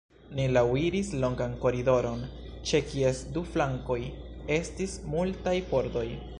Ni laŭiris longan koridoron, ĉe kies du flankoj estis multaj pordoj.